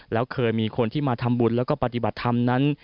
แล้วเคยมีคนที่มาทำบุญแล้วก็ปฏิบัติธรรมนั้น